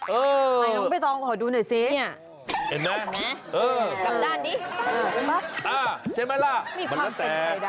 เออไหนลองบ้ายตรองขอดูหน่อยก็ซิ